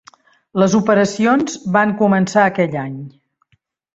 Les operacions van començar aquell any.